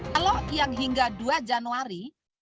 kalau yang hingga dua januari